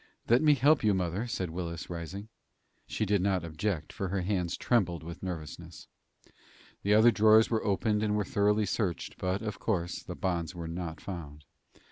"Let me help you, mother," said Willis, rising. She did not object, for her hands trembled with nervousness. The other drawers were opened and were thoroughly searched, but, of course, the bonds were not found. Mrs.